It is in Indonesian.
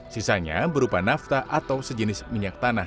sisanya berupa nafta atau sejenis minyak tanah